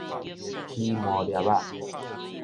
起毛粒仔